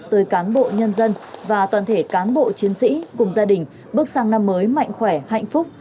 tới cán bộ nhân dân và toàn thể cán bộ chiến sĩ cùng gia đình bước sang năm mới mạnh khỏe hạnh phúc